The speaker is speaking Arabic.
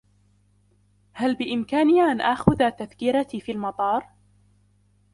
هل بإمكاني أن آخذ تذكرتي في المطار ؟